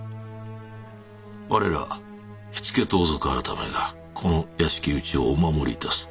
我ら火付盗賊改がこの屋敷内をお守り致す。